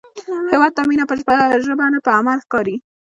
هیواد ته مینه په ژبه نه، په عمل ښکارېږي